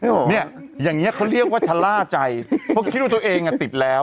เหรอเนี่ยอย่างเงี้เขาเรียกว่าชะล่าใจเพราะคิดว่าตัวเองอ่ะติดแล้ว